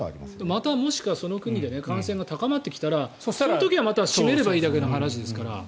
またその国で感染が高まってきたらその時はまた締めればいいだけの話ですから。